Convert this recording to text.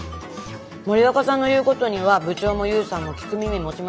森若さんの言うことには部長も勇さんも聞く耳持ちますね。